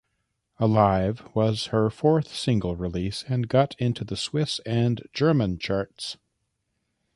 "Alive" was her fourth single release and got into the Swiss and German charts.